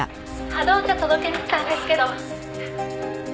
「波動茶届けに来たんですけど」